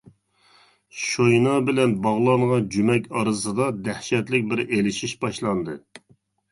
شوينا بىلەن باغلانغان جۈمەك ئارىسىدا دەھشەتلىك بىر ئېلىشىش باشلاندى.